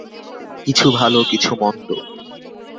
কিছু ভাল, কিছু মন্দ।